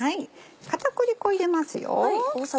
片栗粉入れます。